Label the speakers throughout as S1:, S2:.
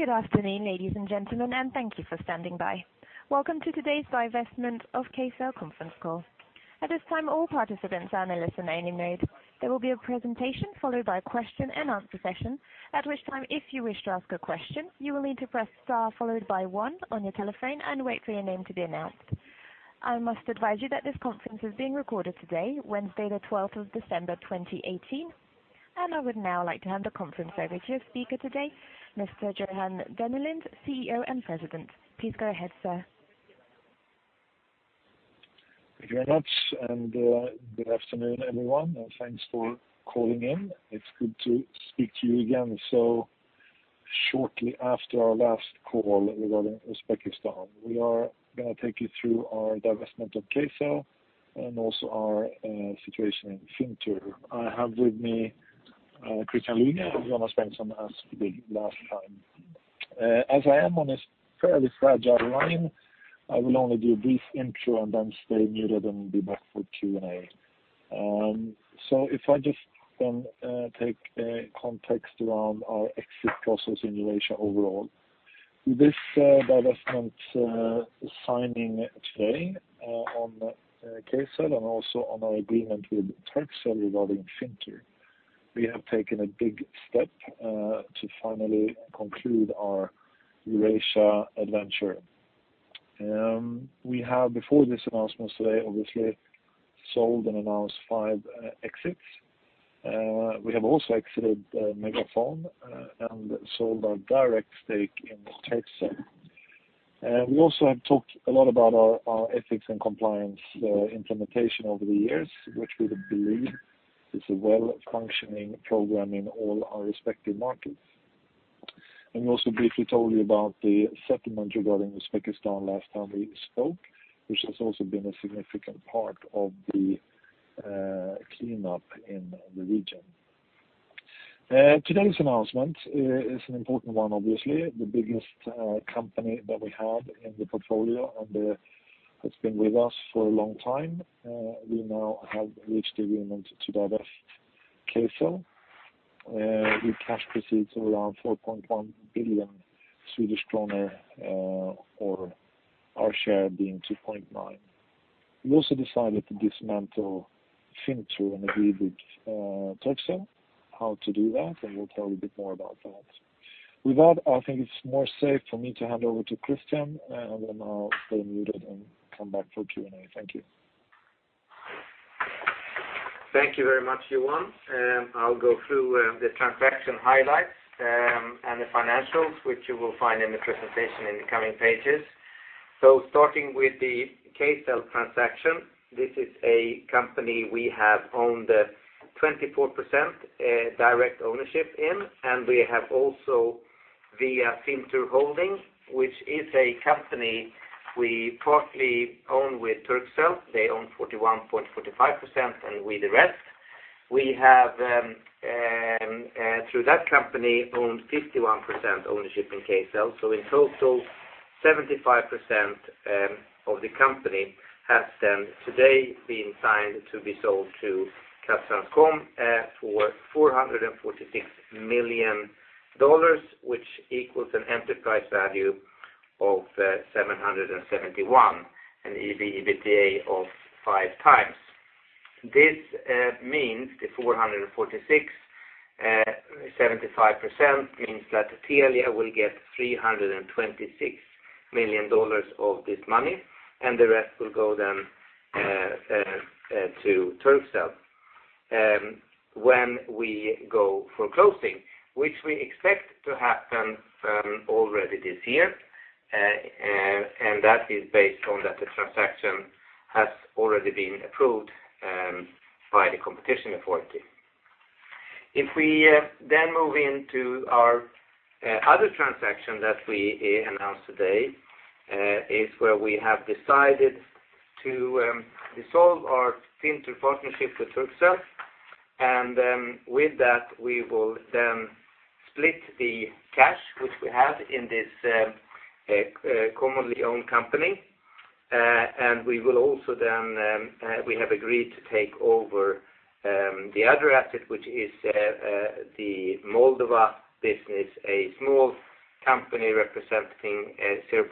S1: Good afternoon, ladies and gentlemen. Thank you for standing by. Welcome to today's divestment of Kcell conference call. At this time, all participants are in listen-only mode. There will be a presentation followed by a question-and-answer session. At which time, if you wish to ask a question, you will need to press star followed by 1 on your telephone and wait for your name to be announced. I must advise you that this conference is being recorded today, Wednesday, the 12th of December 2018. I would now like to hand the conference over to your speaker today, Mr. Johan Dennelind, CEO and President. Please go ahead, sir.
S2: Thank you very much. Good afternoon, everyone. Thanks for calling in. It is good to speak to you again so shortly after our last call regarding Uzbekistan. We are going to take you through our divestment of Kcell and also our situation in Fintur. I have with me Christian Luiga and Jonas Svensson as the last time. As I am on a fairly fragile line, I will only do a brief intro and then stay muted and be back for Q&A. If I just then take context around our exit process in Eurasia overall. This divestment signing today on Kcell and also on our agreement with Turkcell regarding Fintur. We have taken a big step to finally conclude our Eurasia adventure. We have, before this announcement today, obviously sold and announced five exits. We have also exited MegaFon and sold our direct stake in Turkcell. We also have talked a lot about our ethics and compliance implementation over the years, which we believe is a well-functioning program in all our respective markets. We also briefly told you about the settlement regarding Uzbekistan last time we spoke, which has also been a significant part of the cleanup in the region. Today's announcement is an important one, obviously. The biggest company that we have in the portfolio and has been with us for a long time. We now have reached agreement to divest Kcell with cash proceeds of around 4.1 billion Swedish kronor, or our share being 2.9. We also decided to dismantle Fintur and agree with Turkcell how to do that, and we will tell you a bit more about that. With that, I think it is more safe for me to hand over to Christian, and then I will stay muted and come back for Q&A. Thank you.
S3: Thank you very much, Johan. Christian Luiga will go through the transaction highlights and the financials, which you will find in the presentation in the coming pages. Starting with the Kcell transaction, this is a company we have owned 24% direct ownership in, and we have also via Fintur Holding, which is a company we partly own with Turkcell. They own 41.45%, and we the rest. We have, through that company, owned 51% ownership in Kcell. So in total, 75% of the company has then today been signed to be sold to Kazakhtelecom for $446 million, which equals an enterprise value of $771 million and EBITDA of 5 times. This means the $446 million, 75% means that Telia will get $326 million of this money, and the rest will go then to Turkcell. When we go for closing, which we expect to happen already this year, that is based on that the transaction has already been approved by the competition authority. If we then move into our other transaction that we announced today, is where we have decided to dissolve our Fintur partnership with Turkcell. With that, we will then split the cash which we have in this commonly owned company. We have agreed to take over the other asset, which is the Moldova business, a small company representing 0.6%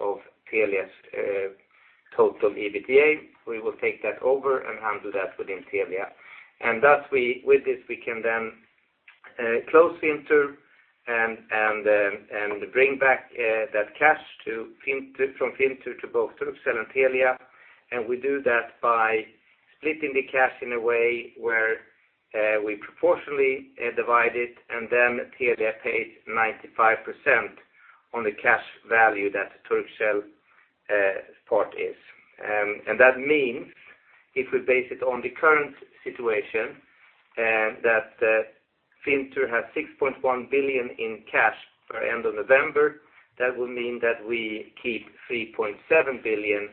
S3: of Telia's total EBITDA. We will take that over and handle that within Telia. With this, we can then close Fintur and bring back that cash from Fintur to both Turkcell and Telia. We do that by splitting the cash in a way where we proportionally divide it, and then Telia pays 95% on the cash value that Turkcell part is. That means if we base it on the current situation, that Fintur has 6.1 billion in cash per end of November. That would mean that we keep 3.7 billion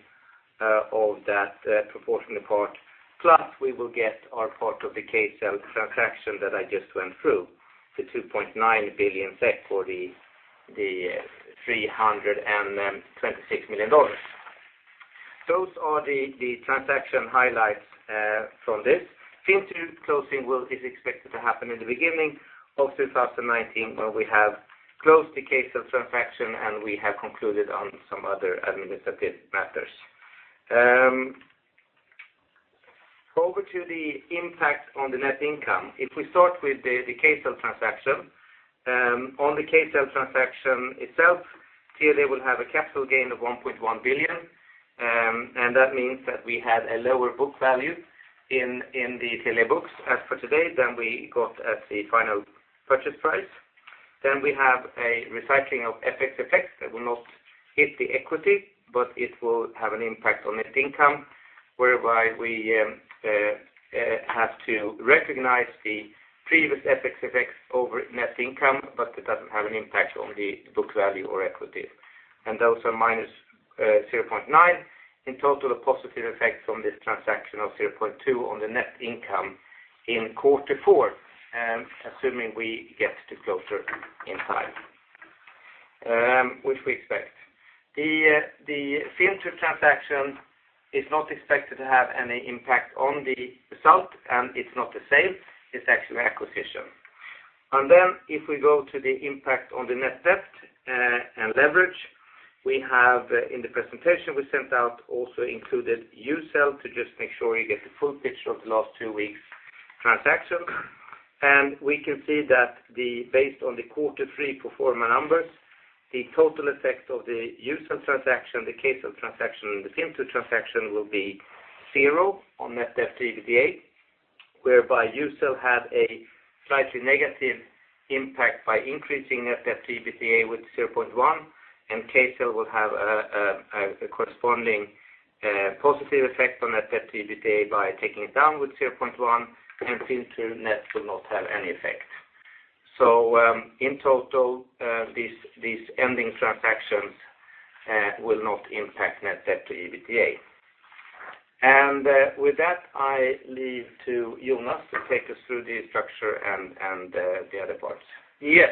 S3: of that proportionate part, plus we will get our part of the Kcell transaction that I just went through, the 2.9 billion SEK or the $326 million. Those are the transaction highlights from this. Fintur closing is expected to happen in the beginning of 2019, when we have closed the Kcell transaction, and we have concluded on some other administrative matters. Over to the impact on the net income. If we start with the Kcell transaction. On the Kcell transaction itself, Telia will have a capital gain of 1.1 billion, and that means that we have a lower book value in the Telia books as for today, than we got at the final purchase price. Then we have a recycling of FX effects that will not hit the equity, but it will have an impact on net income, whereby we have to recognize the previous FX effects over net income, but it doesn't have an impact on the book value or equity. Those are minus 0.9 billion. In total, a positive effect from this transaction of 0.2 billion on the net income in Q4, assuming we get to closure in time, which we expect. The Fintur transaction is not expected to have any impact on the result, and it's not a sale, it's actually an acquisition. If we go to the impact on the net debt and leverage, we have in the presentation we sent out also included Ucell to just make sure you get the full picture of the last two weeks' transactions. We can see that based on the quarter three pro forma numbers, the total effect of the Ucell transaction, the Kcell transaction, and the Fintur transaction will be zero on net debt to EBITDA, whereby Ucell had a slightly negative impact by increasing net debt to EBITDA with 0.1, and Kcell will have a corresponding positive effect on net debt to EBITDA by taking it down with 0.1, and Fintur net will not have any effect. In total, these ending transactions will not impact net debt to EBITDA. With that, I leave to Jonas to take us through the structure and the other parts.
S4: Yes.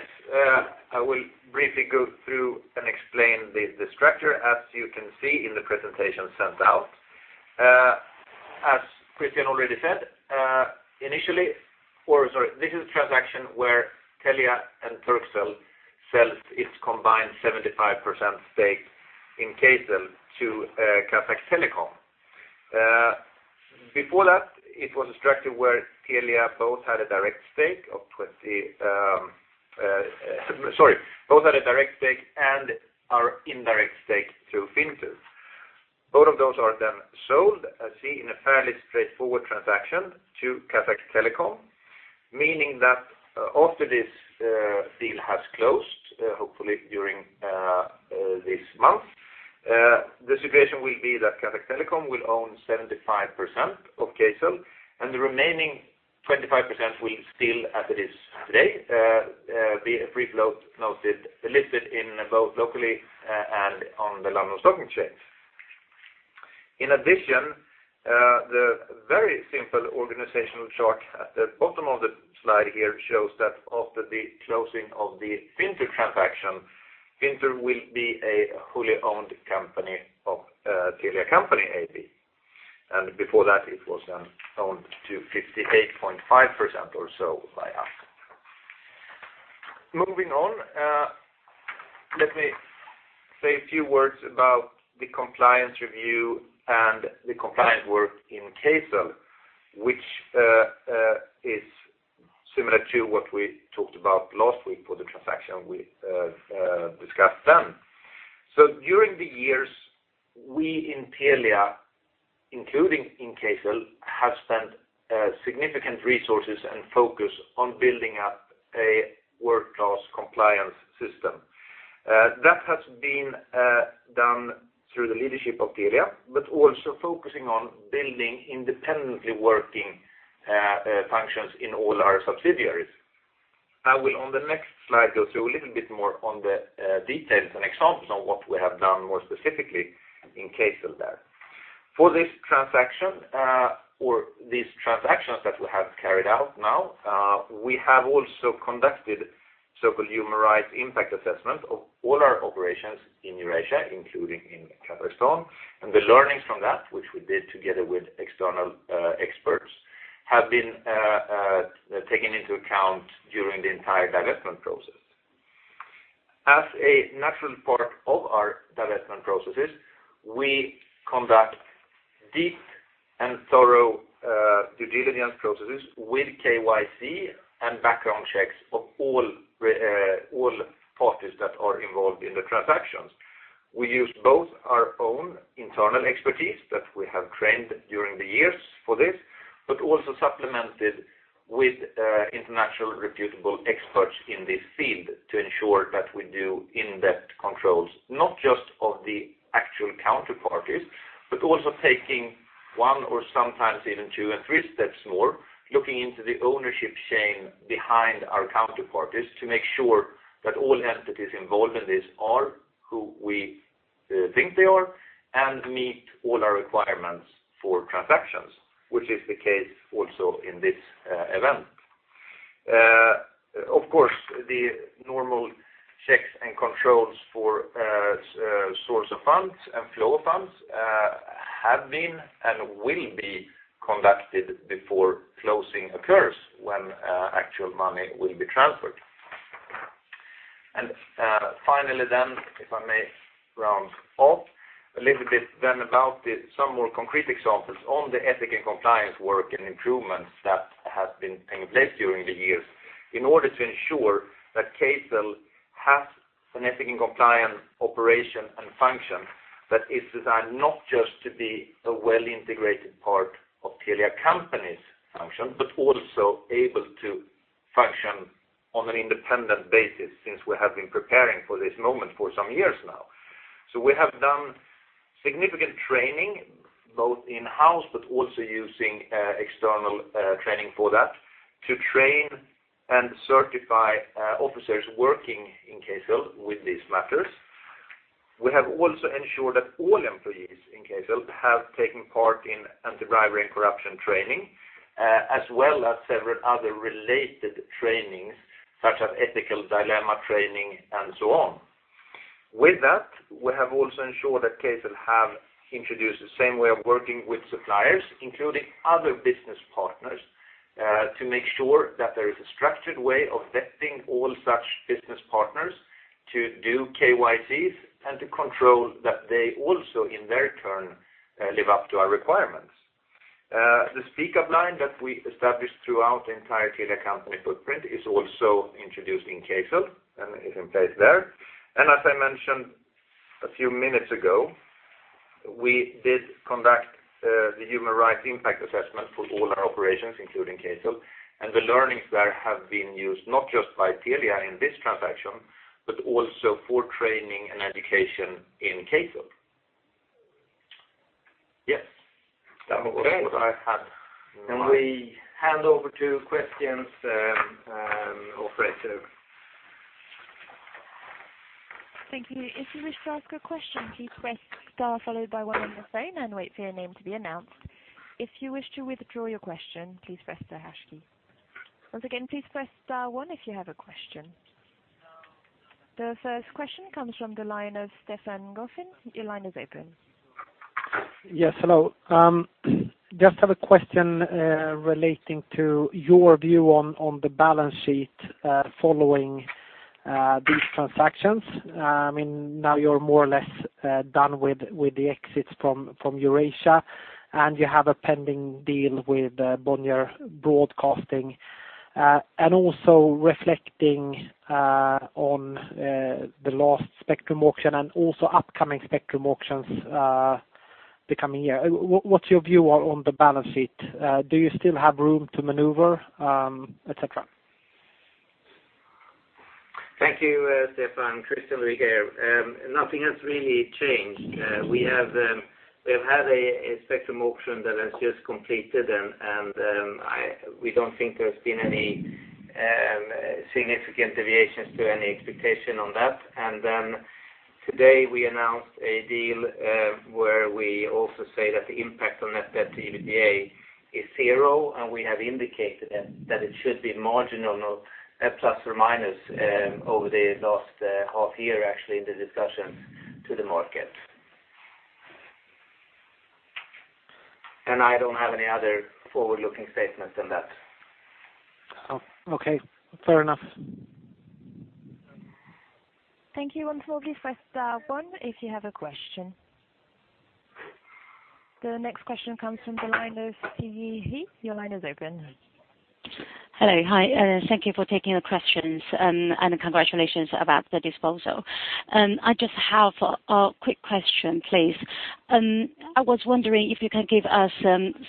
S4: I will briefly go through and explain the structure. You can see in the presentation sent out, as Christian already said, this is a transaction where Telia and Turkcell sell its combined 75% stake in Kcell to Kazakhtelecom. Before that, it was a structure where Telia both had a direct stake and our indirect stake through Fintur. Both of those are sold, as seen in a fairly straightforward transaction to Kazakhtelecom, meaning that after this deal has closed, hopefully during this month, the situation will be that Kazakhtelecom will own 75% of Kcell and the remaining 25% will still, as it is today, be a free float listed both locally and on the London Stock Exchange. In addition, the very simple organizational chart at the bottom of the slide here shows that after the closing of the Fintur transaction, Fintur will be a wholly owned company of Telia Company AB, and before that, it was owned to 58.5% or so by us. Moving on. Let me say a few words about the compliance review and the compliance work in Kcell, which is similar to what we talked about last week for the transaction we discussed then. During the years, we in Telia, including in Kcell, have spent significant resources and focus on building up a world-class compliance system. That has been done through the leadership of Telia, but also focusing on building independently working functions in all our subsidiaries. I will, on the next slide, go through a little bit more on the details and examples on what we have done more specifically in Kcell there. For these transactions that we have carried out now, we have also conducted so-called human rights impact assessment of all our operations in Eurasia, including in Kazakhstan. The learnings from that, which we did together with external experts, have been taken into account during the entire divestment process. As a natural part of our divestment processes, we conduct deep and thorough due diligence processes with KYC and background checks of all parties that are involved in the transactions. We use both our own internal expertise that we have trained during the years for this, but also supplemented with international reputable experts in this field to ensure that we do in-depth controls, not just of the actual counterparties, but also taking one or sometimes even two and three steps more, looking into the ownership chain behind our counterparties to make sure that all entities involved in this are who we think they are and meet all our requirements for transactions, which is the case also in this event. Of course, the normal checks and controls for source of funds and flow of funds have been and will be conducted before closing occurs when actual money will be transferred. Finally then, if I may round off a little bit then about some more concrete examples on the ethic and compliance work and improvements that have been in place during the years in order to ensure that Kcell has an ethic and compliance operation and function that is designed not just to be a well-integrated part of Telia Company's function, but also able to function on an independent basis since we have been preparing for this moment for some years now. We have done significant training, both in-house but also using external training for that, to train and certify officers working in Kcell with these matters. We have also ensured that all employees in Kcell have taken part in anti-bribery and corruption training, as well as several other related trainings such as ethical dilemma training and so on. With that, we have also ensured that Kcell have introduced the same way of working with suppliers, including other business partners, to make sure that there is a structured way of vetting all such business partners to do KYCs and to control that they also, in their turn, live up to our requirements. The speak-up line that we established throughout the entire Telia Company footprint is also introduced in Kcell and is in place there. As I mentioned a few minutes ago, we did conduct the human rights impact assessment for all our operations, including Kcell, and the learnings there have been used not just by Telia in this transaction, but also for training and education in Kcell. Yes. That was what I had.
S3: Okay. We hand over to questions operator.
S1: Thank you. If you wish to ask a question, please press star followed by one on your phone and wait for your name to be announced. If you wish to withdraw your question, please press the hash key. Once again, please press star one if you have a question. The first question comes from the line of Stefan Gauffin. Your line is open.
S5: Yes, hello. I mean, now you're more or less done with the exits from Eurasia, and you have a pending deal with Bonnier Broadcasting. Also reflecting on the last spectrum auction and also upcoming spectrum auctions the coming year. What's your view on the balance sheet? Do you still have room to maneuver, et cetera?
S3: Thank you, Stefan. Christian here. Nothing has really changed. We've had a spectrum auction that has just completed, we don't think there's been any significant deviations to any expectation on that. Today we announced a deal where we also say that the impact on net debt to EBITDA is 0, and we have indicated that it should be marginal, plus or minus, over the last half year, actually, in the discussions to the market. I don't have any other forward-looking statements than that.
S5: Okay, fair enough.
S1: Thank you. Once more, please press star one if you have a question. The next question comes from the line of Sai Yi He. Your line is open.
S6: Hello. Hi. Thank you for taking the questions. Congratulations about the disposal. I just have a quick question, please. I was wondering if you can give us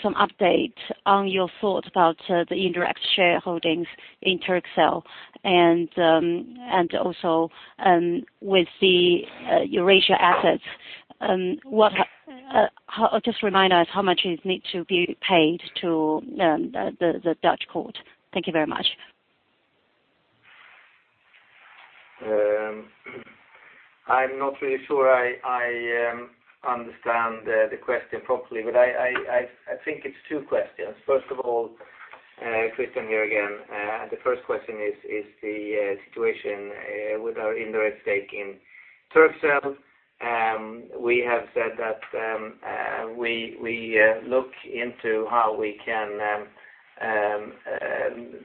S6: some update on your thoughts about the indirect shareholdings in Turkcell and also with the Eurasia assets. Just remind us how much it needs to be paid to the Dutch court. Thank you very much.
S3: I'm not really sure I understand the question properly. I think it's two questions. First of all, Christian here again. The first question is the situation with our indirect stake in Turkcell. We have said that we look into how we can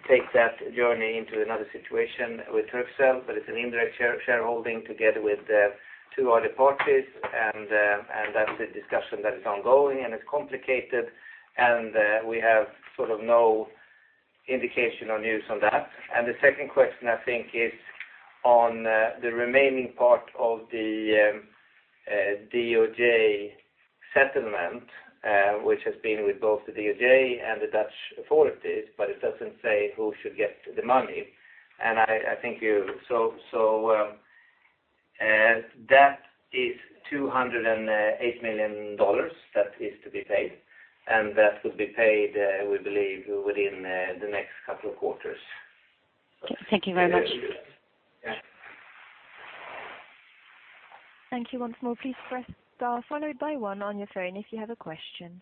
S3: take that journey into another situation with Turkcell. It's an indirect shareholding together with two other parties. That's a discussion that is ongoing. It's complicated. We have sort of no indication or news on that. The second question, I think, is on the remaining part of the DOJ settlement, which has been with both the DOJ and the Dutch authorities. It doesn't say who should get the money. That is $208 million that is to be paid. That would be paid, we believe, within the next couple of quarters.
S6: Thank you very much.
S3: Yeah.
S1: Thank you once more. Please press star followed by one on your phone if you have a question.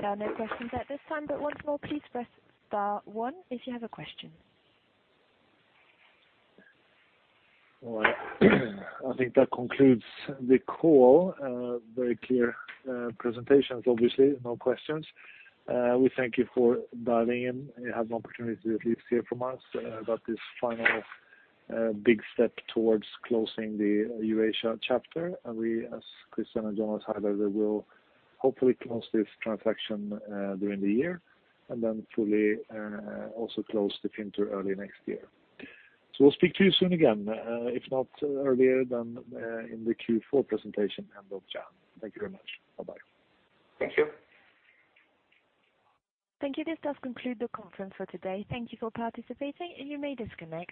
S1: There are no questions at this time, but once more, please press star one if you have a question.
S4: All right. I think that concludes the call. Very clear presentations, obviously. No questions. We thank you for dialing in and have an opportunity to at least hear from us about this final big step towards closing the Eurasia chapter. We, as Christian and Jonas highlighted, will hopefully close this transaction during the year, and then fully also close the Fintur early next year. We'll speak to you soon again, if not earlier, then in the Q4 presentation end of January. Thank you very much. Bye-bye.
S3: Thank you.
S1: Thank you. This does conclude the conference for today. Thank you for participating, and you may disconnect.